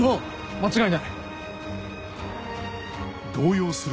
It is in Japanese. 間違いない。